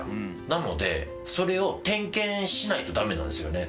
なのでそれを点検しないとダメなんですよね。